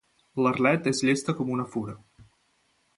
L'Arlet és llesta com una fura.